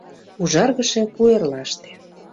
Ужаргыше куэрлаште